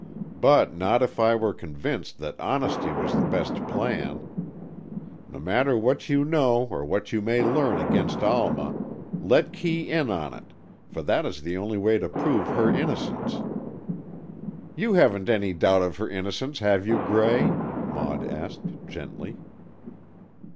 But not if I were convinced that honesty was the best plan. No matter what you know or what you may learn against Alma, let Kee in on it, for that is the only way to prove her innocence." "You haven't any doubt of her innocence, have you, Gray?" Maud asked, gently.